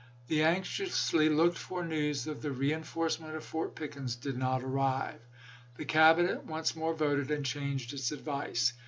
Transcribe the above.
The anxiously looked for news of the reenforcement of Fort Pickens did not arrive. The Cabinet once more voted, and changed its advice.